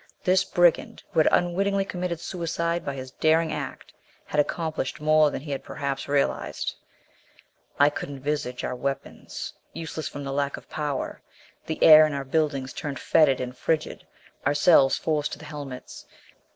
This brigand who had unwittingly committed suicide by his daring act had accomplished more than he had perhaps realized. I could envisage our weapons, useless from the lack of power. The air in our buildings turned fetid and frigid; ourselves forced to the helmets.